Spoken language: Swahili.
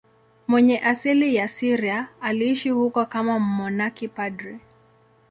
Mwenye asili ya Syria, aliishi huko kama mmonaki padri.